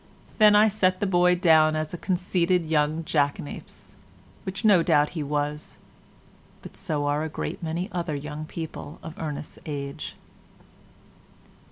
Then I set the boy down as a conceited young jackanapes, which no doubt he was,—but so are a great many other young people of Ernest's age.